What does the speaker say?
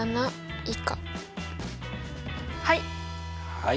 はい。